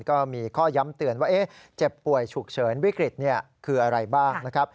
ก็มีข้อย้ำเตือนว่าเจ็บป่วยฉุกเฉินวิกฤตคืออะไรบ้างนะครับ